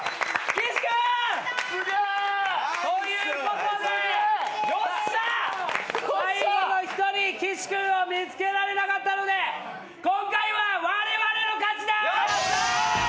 岸君！ということで最後の一人岸君を見つけられなかったので今回はわれわれの勝ちだ！